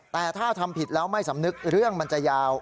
แต่ถ้าทำผิดแล้วไม่สำนึกเรื่องมันจะยาว